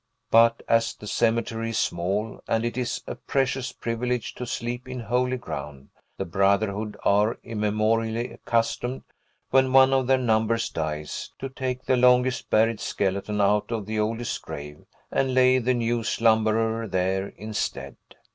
But, as the cemetery is small, and it is a precious privilege to sleep in holy ground, the brotherhood are immemorially accustomed, when one of their number dies, to take the longest buried skeleton out of the oldest grave, and lay the new slumberer there instead.